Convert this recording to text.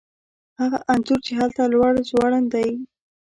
هغه انځور چې هلته لوړ ځوړند دی